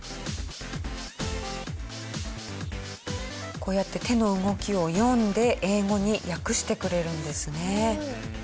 こうやって手の動きを読んで英語に訳してくれるんですね。